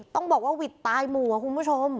ต้องบอกว่าหวิดตายหมู่อ่ะคุณผู้ชม